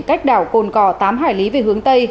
cách đảo cồn cò tám hải lý về hướng tây